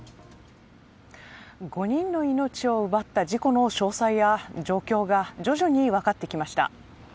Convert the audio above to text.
５人の命を奪った事故の詳細や状況が徐々に分かってきました。